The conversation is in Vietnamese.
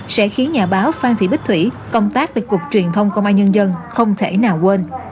sẽ khiến nhà báo phan thị bích thủy công tác về cục truyền thông công an nhân dân không thể nào quên